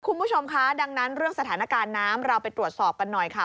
คุณผู้ชมคะดังนั้นเรื่องสถานการณ์น้ำเราไปตรวจสอบกันหน่อยค่ะ